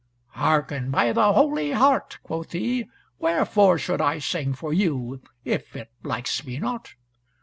"Hearken! by the Holy Heart," quoth he, "wherefore should I sing for you, if it likes me not?